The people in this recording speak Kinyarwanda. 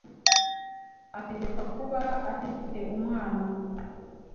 ategekwa kuba atagifite umwana